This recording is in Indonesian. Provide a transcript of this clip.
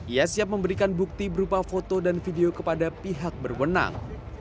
ia siap memberikan bukti berupa foto dan video kepada pihak berwenang